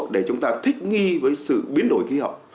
để chúng ta thích nghi với sự biến đổi khí hậu